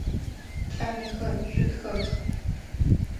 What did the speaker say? Кӏалэхэ, шъутхэх!